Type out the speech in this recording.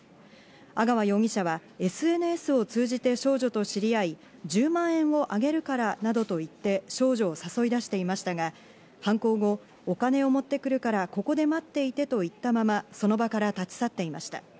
阿川容疑者はＳＮＳを通じて少女と知り合い、１０万円をあげるからなどといって、少女を誘い出していましたが、犯行後、お金を持ってくるからここで待っていてといったままその場から立ち去っていました。